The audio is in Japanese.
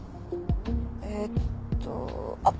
えーっとあっ！